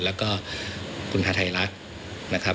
แล้วก็คุณฮาไทยรัฐนะครับ